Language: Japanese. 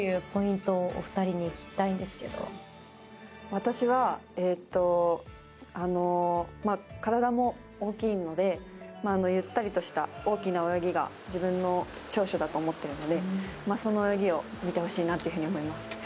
私は体も大きいのでゆったりとした大きな泳ぎが自分の長所だと思っているのでその泳ぎを見てほしいなっていうふうに思います。